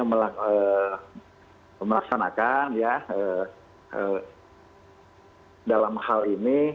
untuk melaksanakan dalam hal ini